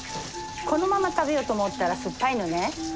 このまま食べようと思ったら酸っぱいのね。